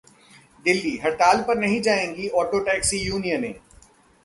दिल्ली: हड़ताल पर नहीं जाएंगी ऑटो-टैक्सी यूनियनें